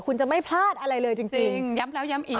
คุณจะไม่พลาดอะไรเลยจริงย้ำแล้วย้ำอีก